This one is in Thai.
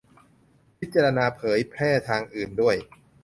- พิจารณาเผยแพร่ทางอื่นด้วย